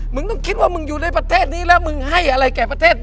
มึงต้องคิดว่ามึงอยู่ในประเทศนี้แล้วมึงให้อะไรแก่ประเทศ